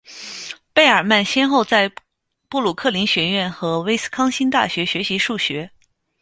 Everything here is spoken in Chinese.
贝尔曼先后在布鲁克林学院和威斯康星大学学习数学。